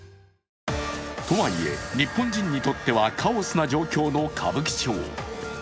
とはいえ、日本人にとってはカオスな状況の歌舞伎町。